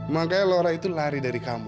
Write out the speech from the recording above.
makanya lora itu lari dari kamu